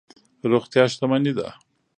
روغتیا شتمني ده.